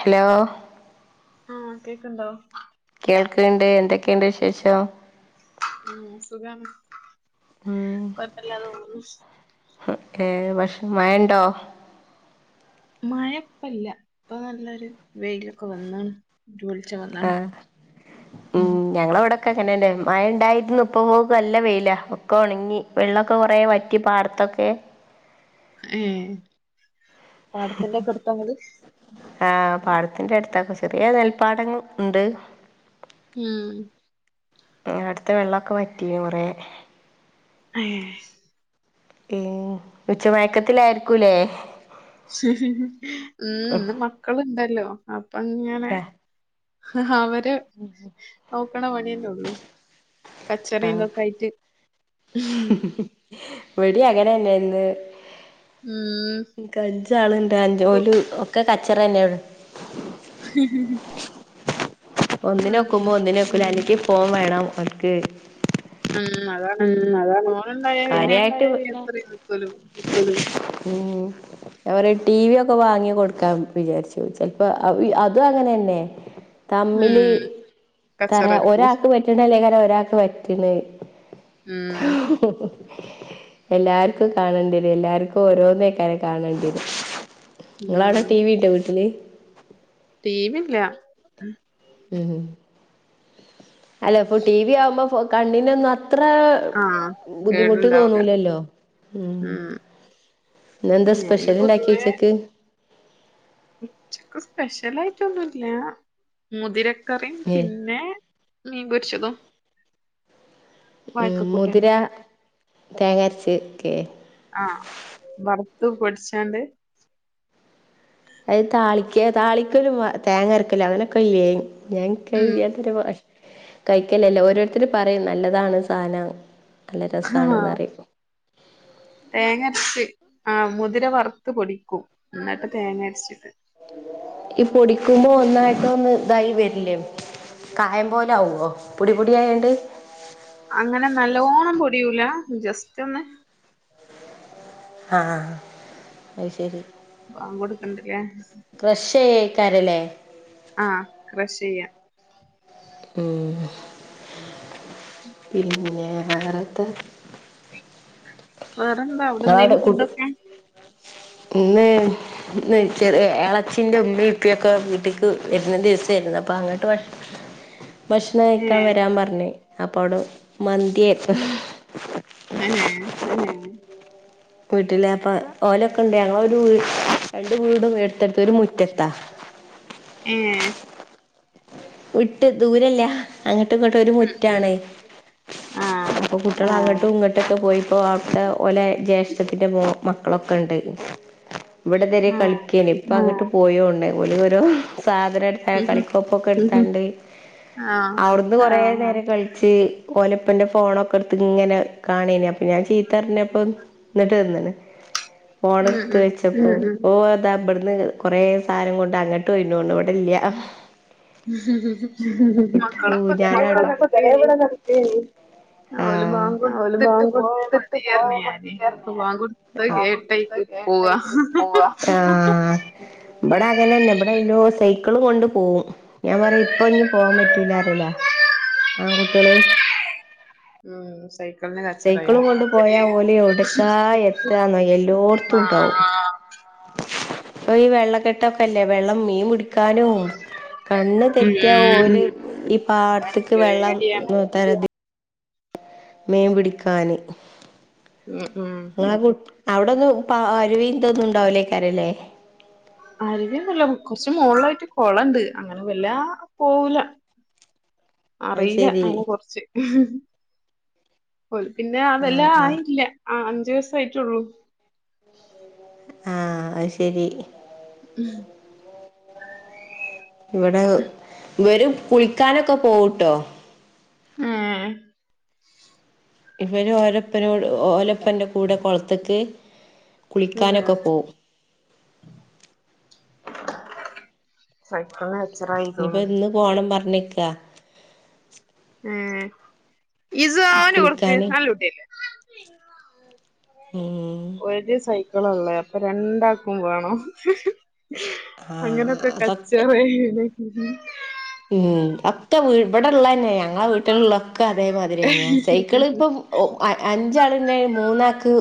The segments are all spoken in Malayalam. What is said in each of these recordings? ഹലോ ആ കേക്ക്ണ്ടോ കേൾക്കണ്ട് എന്തൊക്കെണ്ട് വിശേഷം ഉ സുഗാണ് ഉം കൊയ്‌പ്പ ല്ലാതെ പോകു ന്നു ഓകെ മഷ മയണ്ടോ മയപ്പല്ല ഇപ്പൊ നല്ലൊരു വെയിലൊക്കെ വന്നാണ് [unintelligible] ആഹ് ഉം ഞങ്ങളവിടെക്കെങ്ങനെന്നെ മയണ്ടായിരുന്നു ഇപ്പോ നല്ല വെയിലാ ഒക്കെ ഒണങ്ങി വെള്ളൊക്കെ കൊറേ വറ്റി പാടത്തൊക്കെ ഉം പാടത്തിന്റെക്കെടുത്താ ങ്ങള് ആഹ് പാടത്തിന്റെ അടുത്താ ചെറിയ നെൽപ്പാടങ്ങൾ ഉണ്ട്. ഉം ഉം അട്ത്തെ വെള്ളൊക്കെ വറ്റി കൊറേ ആഹ് ഉം ഉച്ചമയക്കത്തിലായിരിക്കൂല്ലേ ഉം ഇന്ന് മക്കളുണ്ടല്ലോ അപ്പൊങ്ങനെ അവര് ഉം ഉം നോക്കണ പണിയന്നെ ഉള്ളു കച്ചറേന്തൊക്കെ ആയിറ്റ് ഇവ്ടേം അങ്ങനെന്ന്യാ ഇന്ന് ഉം ഇൻക് അഞ്ചാള്ണ്ട് ആ കു- ജോലി ഒക്കെ കച്ചറന്നാണ് ഉ ഒന്നിനൊക്കുമ്പോ ഒന്നിനോക്കുല അല്ലെങ്കി ഫോൺ വേണം ഓക്ക് ഉം അതാ ഉം അതാണ് കാര്യായിട്ട് ഞാ എത്രയും നിക്കോലോ പറേം ടി വി ഒക്കെ വാങ്ങി കൊടുക്കാം വിചാരിച്ചു ചെലപ്പോ അതും അങ്ങനെന്നെ തമ്മില് ഉം കച്ചറ തരാ എടുക്കും ഒരാക്ക് പറ്റ്ണ്ടെ ല്ലായ്കാരം ഒരാക്ക് പറ്റല് ഉം [inaudible] എല്ലാര്ക്കും കാണേണ്ടി വരും എല്ലാര്ക്കും ഓരോന്നേക്കയ്‌ കാരം കാണേണ്ടി വരും നിങ്ങളാട ഉം ടി വി ണ്ടാ വീട്ടില് ടീ വി ല്ല ഉം അല്ല ഇപ്പൊ ടി വി ആവുമ്പോ കണ്ണിനൊന്നും അത്ര ആഹ് ബുദ്ധിമുട്ട് കേടുണ്ടാവൂല തോന്നൂലല്ലോ ഉം ഇന്നെന്താ ഞാന് സ്പെഷ്യൽണ്ടാക്കി പൊതുവേ ഉച്ചയ്ക്ക് ഉച്ചക്ക് സ്പെഷ്യലായിട്ടൊന്നുല്ല മുതിരക്കറിയും ഉം പിന്നെ മീൻ പൊരിച്ചതും ഉം മുതിര വാഴക്കക്കൂട്ടാനും തേങ്ങരച്ച് വെക്കെ ആഹ് വറുത്ത പൊടിച്ചാണ്ട് അത് താളിയ്ക്കാ താളിക്കൊരു വ തേങ്ങ അരക്കല് അങ്ങനൊക്കെ ഇല്ലേ ഞങ്ങക്ക് ഉം ഇല്ലാത്തൊരു ഭാഷ കയ്ക്കലല്ലേ ഓരോരുത്തർ പറയും നല്ലതാണ് സാനം നല്ല ആഹ് രസമാണ്ന്ന് റയും. തേങ്ങരച്ച് ആഹ് മുതിര വറുത്ത് പൊടിക്കും ഇന്നട്ട് തേങ്ങ അരച്ചിട്ട് ഈ പൊടിക്കുമ്പോ ഒന്നായിട്ട് ഒന്ന് ഇതായി വരില്ലേ കായം പോലാവ്വോ പൊടിപൊടിയായോണ്ട്? അങ്ങനെ നല്ലോണം പൊടിയൂല ജസ്റ്റൊന്ന് ആഹ് അത് ശെരി ബാങ്ക് കൊട്ക്ക്ണ് ണ്ട്ല്ലേ? ക്രഷെയ്യയ്ക്കാരല്ലേ ആഹ് ക്രഷ് ചെയ്യാ. ഉം പിന്നെ വേറെന്ത്? വേറെന്താ, നിങ്ങളവിടെ അവടെന്തേനി കുട് ഫുഡൊക്കെ? ഇന്ന് ഇന്ന് ചെറിയ എളച്ചിൻ്റെ ഉമ്മീം ഇപ്പൊക്കെ വീട്ട്ക്ക് വെര്ന്ന ദിവസെര്ന്ന് അപ്പൊ അങ്ങട്ട് ഭക്ഷണം കഴിക്കാ ഏഹ് വരാൻ പർഞ്ഞ് അപ്പൊ അവടെ മന്ത്യേ ആഹാ പോയിട്ടില്ല അപ്പൊ ഓലൊക്കെ ഇണ്ട്, ഞങ്ങളൊരു രണ്ട് വീടും എട്ത്തെട്ത്താ ഒരു മുറ്റത്താ. ഏഹ് വിട്ട് ദൂരല്ല. അങ്ങട്ടും ഇങ്ങട്ടും ഒരു ഉം മുറ്റാണെ, ആഹ് അപ്പൊ ഞങ്ങള അങ്ങട്ടും ഇങ്ങട്ടൊക്കെ പോയിപ്പോ അവ്ട്ത്തെ ഓലെ ജ്യേഷ്ഠത്തിന്റെ മോ മക്കളൊക്കെ ഇണ്ട്. [inaudible] ഇവടെ തരെ ആഹ് കളിക്കെയ്ന് ഇപ്പ അങ്ങട്ട് പോയോണ്. ഓലോരോ സാധനം എടുത്ത ഉം കളിക്കൊ- ക്കെട്ത്താണ്ട് ആഹ് അവുട്ന്ന് കൊറേ നേരം കളിച്ച്, ഓലപ്പന്റെ ഫോണൊക്കെ ഇട്ത്ത് ഇങ്ങനെ കാണേന് അപ്പൊ ഞാൻ ചീത്തർഞ്ഞപ്പം, ന്ന്ട്ട് ഇന്ന്ണ്, ഫോണ് ഉം ഇട്ത്ത്‌ ഉം വെച്ച പ്പോ ഓ അതാ ഇബ്ട്ന്ന് കൊറെേ സാനം കൊണ്ട് അങ്ങട്ട് പോയിണ്തോൺണ്ണു. ഇവടെ ഇല്ല്യ. മക്കളൊപ്പൊ ഇതെരെ ഇവടെ മക്കളൊക്കെ ഇതരെ നടക്കേയ്ന്‌. ഇവിടെ നടക്കേനി ആഹ് ഓല് ബാങ്ക് ഓല് കൊട്ത്ത്ട്ട് ബാങ്ക് പോയാ കൊടുത്തിട്ട് പോവാൻ മതീന്നർഞ്ഞ് ഞാന്. മടിയാർഞ്ഞ് ഇപ്പൊ ബാങ്ക് കൊട്- [unintelligible] ആഹ് ഉം ഇബടെ അങ്ങനന്നെ ഇബടെ ഓല് സെയ്ക്ക ള് കൊണ്ട് പോവും. ഞാൻ പറയും, ഇപ്പൊ ഇഞ്ഞി പോവാൻ പറ്റൂലാറയലാ ആങ്കുട്ട്യാള്. ഉം സൈക്ക സൈക്കളും കൊണ്ട് പോയാ ഓല് എവ്ട്ക്കാ എത്താന്നോ, എല്ലോട്ത്തും ഇണ്ടാവും. ആഹ് ഇപ്പൊ ഈ വെള്ളക്കെട്ടൊക്കെല്ലേ. വെള്ളം മീൻപുടി ക്കാനും കണ്ണ് തെറ്റിയാ ഉം ഓല് ഈ അതാണ് പാട്ത്ത്ക്ക് വെള്ളം പേടിയാണ് നോ [unintelligible] മീൻ പിടിക്കാന്. ഉം ഉം. ഇങ്ങളെ കു, അവടൊന്നും പ അരുവീതൊന്നും ഇണ്ടാവുലേക്കാരല്ലേ? അരുവിയൊന്നുല്ല, കുറച്ച് മോൾള്ളായിട്ട് കൊളണ്ട് അങ്ങനെ വല്ലാ പോവൂല്ല. [inaudible] അറിയില ശെരി അയ്നെ കുറിച്ച്. ഓല് പിന്നെ ആ വെല്ലാ ആഹ് ആഹ് ആയില്ല. ആഹ് അഞ്ചു വയ്സായിട്ടൊള്ളൂ. ആഹ് അത് ശെരി. ഉം ഹ്. ഇവടെ ഇവരു കുളിക്കാനൊക്കെ പോവുട്ടോ. ഏഹ് ഇവര് ഓരപ്പനോട് ഓലപ്പൻന്റെ കൂടെ കൊളത്ത്ക്ക് ഉം കുളിക്കാനൊക്കെ പോവും. സൈക്കൾണ് എച്ചറായി ഇനിയിപ്പോ തോന്ന്. ഇന്ന് പോണം പർഞ്ക്കാ. ഏഹ്. ഹിസ്സോ ഓന് കൊട്ക്ക് കുളിക്കാന് നല്ല കുട്ട്യല്ലേ. ഉം. ഒരു സൈക്കി ളൊള്ളെ അപ്പൊ രണ്ടാക്കും വേണം. ആഹ് അങ്ങനൊക്കെ അതൊക്കെ കച്ചറെണ്. ഉം ഒക്കെ ഇവിടെള്ളന്നെ ഞങ്ങളെ വീട്ടിലിള്ള ക്കതെ മാതിരി തന്നെ. സൈക്കിള് ഇപ്പ അഞ്ചാള് ഇണ്ടേ മൂന്നാക്ക്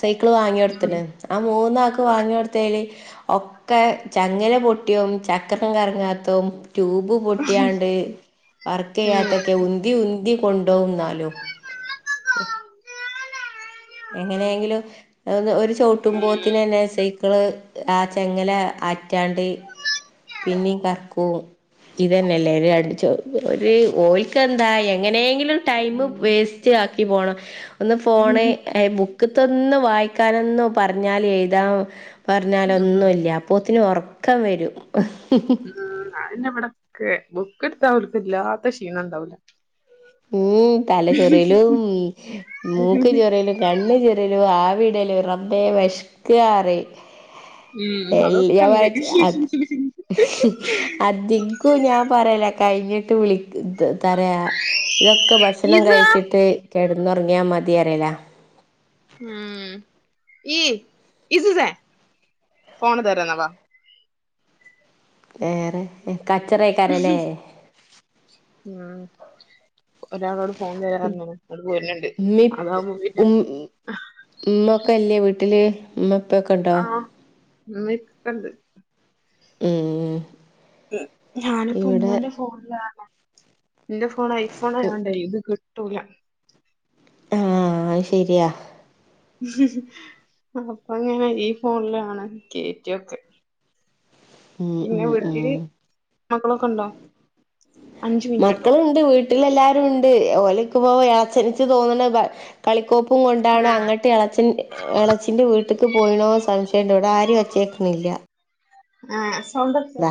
സൈക്കിള് ഉം വാങ്ങിയോട്ത്തിന്. ആ മൂന്നാക്ക് വാങ്ങിയോട് തേന് ഒക്കെ ചങ്ങെല പൊട്ടിയും, ചക്കരം കറങ്ങാത്തും, ട്യൂബ് പൊട്ടിയാണ്ട് വർക്ക് ചെയ്യാത്തൊക്കെ ഉന്തി ഉന്തി കൊണ്ടോ ന്നാലും. [inaudible] ഉം എങ്ങനെങ്കിലും ഓരു ചവുട്ടുമ്പോ ത്തിനു തന്നെ സെയ്‌ക്കിള് ആ ചെങ്ങല ആറ്റാണ്ട് പിന്നേം കർക്കൂം. ഇതെന്നെ യല്ലേ ഒരു അട് ചോ ഒര് ഓയിക്ക് എന്താ എങ്ങനേങ്കിലും, ടൈമ് ഉം വേസ്റ്റ് ആക്കി പോണം. ഒന്ന് ഫോണ് [unintelligible] ക്കത്തൊന്ന് വായിക്കാനൊന്ന് പറഞ്ഞാല് എഴുതാ ഉം പറഞ്ഞാലൊന്നുംല്ല. പോത്തിന് ഒറക്കം വെരും. ഉം അതെന്നെയാ ഇവിടൊക്കെ ബുക്ക് എടുത്താവലവർക്ക് ഇല്ലാത്ത ക്ഷീണം ഇണ്ടാവൂല ഉം തല ചൊറയലും മൂക്ക് ചൊറിയലും കണ്ണു ചൊറിയലു ആവിടലു റബ്ബെവെ ഷ്കാറി ഉം എല്ലി അതൊക്കെ ഞാം ഉണ്ട് പറിയ [unintelligible] ക്കു ഞാൻ പറയല കഴിഞ്ഞിട്ട് വിളി തരെ ഇതൊക്കെ ഭക്ഷണം ഇസ കഴിച്ചിട്ട് കിടന്നുറങ്ങിയാ മതി അറിയല ഉം ഈ ഇസുസെ ഫോണ് തരാനവാ വേറെ കച്ചറേക്കരല്ലേ ഉം ഒരാളോട് ഫോൺ തരാന്നറിഞ്ഞു ഇങ്ങട് പോരുന്നുണ്ട് ഉമ്മി അതാവുമ്പോ പിന്നെ ഉം ഉമ്മൊക്കെ ഇല്ലേ വീട്ടില് [unintelligible] ആഹ് ഉമ്മെപ്പണ്ട് ഉം ഞാനിപ്പ ഇവിടെ ഉമ്മാന്റെ ഫോണിലാണ് ന്റെ ഫോൺ ഐഫോൺ ആയണ്ടേ ഇത് കി ട്ടൂല ആഹ് അയ് ശെരിയാ അപ്പങ്ങനെ ഈ ഫോണിലാണ് കേറ്റിയൊക്കെ ഉം പിന്നെ ഉം വീട്ടില് ഉം മക്കളൊക്കെണ്ടോ മക്കള്ണ്ട് വീട്ടിലെല്ലരു ഉണ്ട് ഓലക്കുമ്പ [unintelligible] തോന്നണ് കളിക്കോപ്പും കൊണ്ടാണ് അങ്ങട്ട് ഇളച്ചൻ ഇളച്ചിന്റെ വീട്ടക്ക് പോയിണോ സംശയ്ണ്ട് ഇവിടെ ആരേം ഒച്ചേക്കണില്ല ആഹ് സൗണ്ടോറച്ച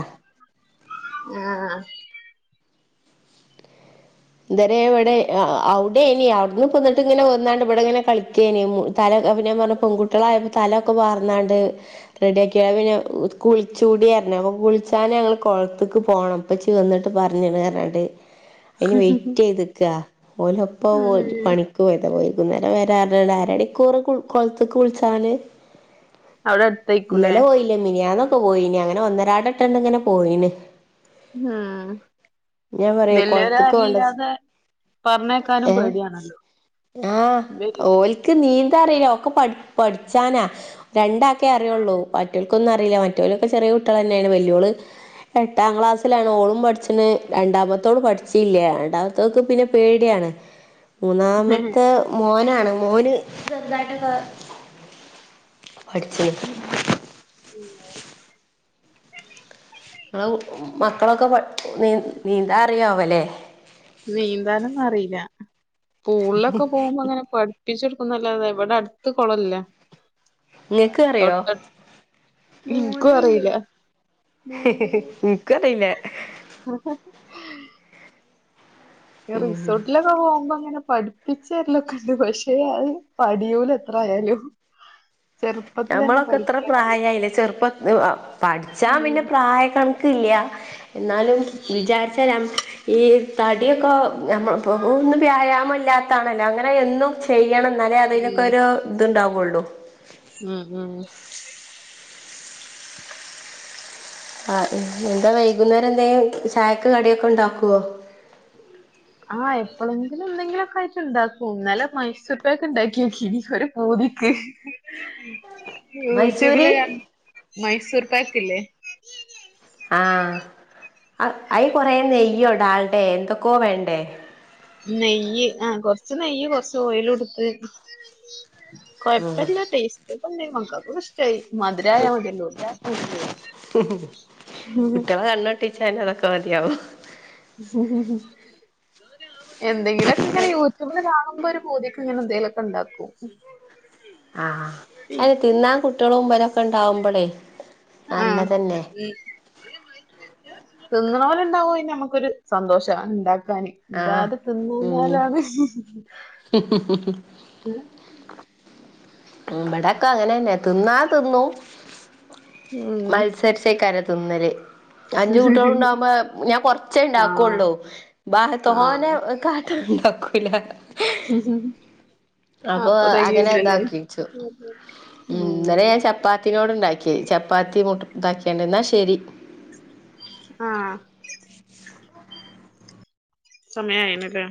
ആഹ് ഇതരെ ഇവിടെ അവിടെ ഏനി അവിടുന്ന് പോന്നിട്ട് ഇങ്ങനെ വന്നാണ്ട് ഇവിടെ ഇങ്ങനെ കളിക്കേനി തലപ്പൊ ഞാൻ പറഞ്ഞു പെൺകുട്ടളായപ്പോ തലൊക്കെവാർ ന്നാണ്ട് റെഡി ആക്കി പിന്നെ കുളിച്ചൂടിറഞ് അപ്പോ കുളിചാൻ ഞങ്ങള് കൊളത്തിക്ക് പോണം പ്പച്ചി വന്നിട്ട് പറഞ്ഞ് [unintelligible] അയിന് വെയിറ്റ് ചെയ്ത്ക്ക് അഹ് ഓലപ്പോം ഉം പണി പോയത വൈകുന്നേരം വരാറണ്ട് അരണിക്കൂറ് കൊളത്ത് കുളിച്ചാല് അവിടെ അടുത്തായിക്കൂലേ ന്നലെ പോയില്ല മിനിയാന്നൊക്കെ പോയിനി അങ്ങനെ ഒന്നരാട ഇട്ടണ്ട് ഇങ്ങനെ പോയിന് ഉം ഞാൻ പറയാ കൊളത്ത്ക്ക് വെല്യേരാരു പോണ്ട ഇല്ലാതെ പറഞ്ഞേക്കാനും ഏഹ് പേടിയ ആണല്ലോ ആഹ് ഓലിക്ക് നീന്ത അറില ഓക്ക് പഠിച്ചാനാ രണ്ടാക്കേ അറിയുള്ളൂ മറ്റൊൾക്കൊന്നും അറിയില്ല മറ്റൊലൊക്കെ ചെറിയ കുട്ടികളെ ന്നെയേണ് വല്യോള് എട്ടാം ക്ലാസ്സിലാണ് ഓളും പഠിച്ച്ന് രണ്ടാമത്തോള് പഠിച്ചില്ല രണ്ടാമത്തോക്ക് പിന്നെ പേടിയാണ് മൂന്നാമ മോനാണ് മോന് ചെർതായിട്ട് പഠിചിന് മക്കളൊക്കെ നീന്താ അറിയമല്ലേ നീന്താനൊന്നും അറിയില്ല പൂളിലൊക്കെ പോകുമ്പോ അങ്ങനെ പ ടിപ്പിച്ചെടുക്കുന്നതല്ല ഇവിടെ അടുത്ത് കുളല്ല ഇങ്ങക്ക് അറിയോ തൊട്ട എനിക്കും അറിയില്ല ഇനിക്കറല്ല [inaudible] റിസോർട്ടില് പോകുമ്പോ അങ്ങനെ പഠിപ്പിച്ചരിലൊക്കെ ഉണ്ട് പക്ഷെ അത് പഠിയൂല എത്ര ആയാലും [inaudible] ചെറുപ്പത്തിലെന്നെ നമ്മളൊക്കെ ഇത്ര പഠിക്കണല്ലേ പ്രായമായില്ല ചെറുപ്പ പഠിച്ചാ പിന്നെ പ്രായ കണ എന്നാലും വിചാരിച്ചാൽ ഈ തടിയൊക്കെ നമ്മ പോ ഒന്നും വ്യായാമം ഇല്ലാത്താണല്ലോ അങ്ങനെ എന്നും ചെയ്യണം എന്നാലേ അതിനൊക്കെ ഒരു ഇതുണ്ടാവയുള്ളൂ ഉം ഉം ആ എന്താ വൈകുന്നേരം എന്തെങ്കിലും ചായക്ക് കടിയൊക്കെ ഉണ്ടാക്ക്വോ? ആഹ് എപ്പോളെങ്കിലും എന്തെങ്കിലൊ ഒക്കെയിട്ട്ണ്ടാക്കൂ ഇന്നലെ മൈസൂർ പാക്ക് ഉണ്ടാക്കിയോക്കി ഇ പോതിക്ക് മൈസൂര് യൂട്യൂബില് ക മൈസൂർ പാക്കില്ലേ? ആഹ് അയി കൊറേ നെയ്യോംഡാൽഡയോ എന്തൊക്കെയോ വേണ്ടേ? നെയ്യ് ആഹ് കൊറച്ച് നെയ്യ് കൊറച്ച് ഓയിൽ എടുത്ത് ഉം കൊഴപ്പല്ല ടേസ്റ്റെക്കെണ്ട് മക്കൾക്കും ഇഷ് ടായി മധുരായതില്ലോ- ഏഹ് അല്ലടി ചെട്ന് അതൊക്കെ മതിയാവും. എന്തെങ്കിലുക്കെ ഇങ്ങനെ യൂ ട്യൂബില് കാണുമ്പോൾ ഒരു പൂതീക്ക് ഇങ്ങനെ എന്തെങ്കലുക്കെ ഉണ്ടാക്കു ആഹ് അ തിന്നാൻ കുട്ടികളും ഇമ്പരൊക്കെ ഇണ്ടാവുമ്പോളേ ആഹ് ഉം തിന്നണൊര് ഉണ്ടായന്നെ നമ്മുക്കൊരു സന്തോഷ ഉണ്ടാക്കാന് ആഹ് ഇതാര് ഉം തിന്നന്നൊരാണ് ഏഹ് ഇബിടൊക്കെ അങ്ങനെന്നെ തിന്നാ തിന്നു ഉം. മത്സ തെർച്ചക്കരെ തുന്നല് അഞ്ചു കുട്ടികള്ണ്ടാവുമ്പോ ഞാൻ കൊറച്ചേ ആ ഇണ്ടാക്കള്ളൂ ബാഹ് ആ തോനെ ക തൊണ്ടക്കുല്ല. ഉംഹ്ഉംഹ് അപ്പൊ അങ്ങനെ ഇതാക്കിച്ചു ഉം ഇന്നലെ ചപ്പാ പത്തിനോട്ണ്ടാക്കി ചപ്പാത്തി മുട്ട് ഇതാക്കിയേണ്ട ന്നാ ശരി. ആഹ് സമയമായിനക്ക്.